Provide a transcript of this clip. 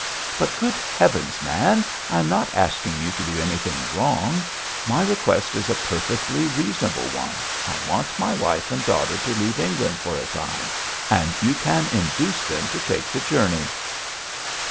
'But, good heavens, man! I am not asking you to do anything wrong. My request is a perfectly reasonable one. I want my wife and daughter to leave England for a time, and you can induce them to take the journey.'